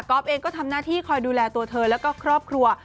เองก็ทำหน้าที่คอยดูแลตัวเธอแล้วก็ครอบครัว